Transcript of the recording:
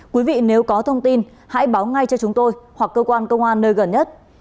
quý vị nếu có thông tin hãy báo ngay cho chúng tôi hoặc cơ quan công an nơi gần nhất